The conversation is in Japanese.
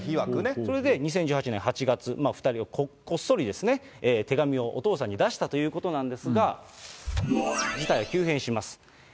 そして２０１８年８月、２人はこっそり、手紙をお父さんに出したということなんですが、事態は急変します。